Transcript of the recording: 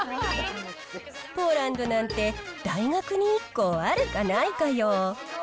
ポーランドなんて、大学に１個あるかないかよ。